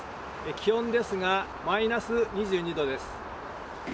気温ですが、マイナス２２度です。